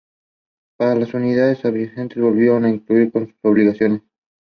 His mother is Corsican.